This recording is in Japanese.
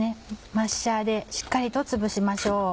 マッシャーでしっかりとつぶしましょう。